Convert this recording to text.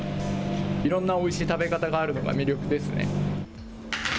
いろんなおいしい食べ方があるのが魅力ですね。